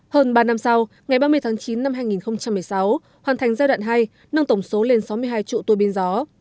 hơn ba năm sau ngày ba mươi tháng chín năm hai nghìn một mươi sáu hoàn thành giai đoạn hai nâng tổng số lên sáu mươi hai trụ tùa pin gió